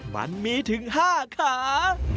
มันมีถึงห้าขา